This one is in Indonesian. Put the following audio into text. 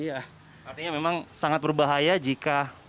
artinya memang sangat berbahaya jika